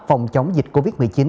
phòng chống dịch covid một mươi chín